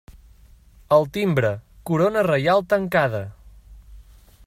Al timbre, corona reial tancada.